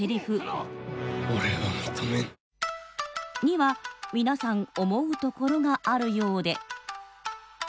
俺は認めぬ。には皆さん思うところがあるようで。